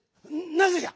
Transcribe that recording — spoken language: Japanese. なぜじゃ？